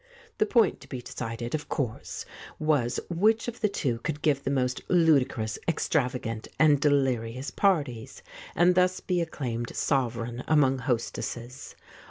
The point to be decided, of course, was which of the two could give the most ludicrous, extravagant, and delirious parties, and thus be acclaimed sovereign among hostesses.